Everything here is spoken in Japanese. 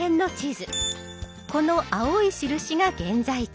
この青い印が現在地